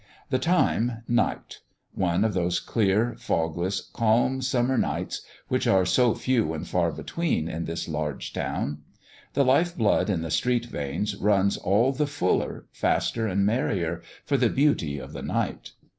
The time Night. One of those clear, fogless, calm summer nights which are so "few and far between" in this large town. The life blood in the street veins runs all the fuller, faster, and merrier, for the beauty of the night.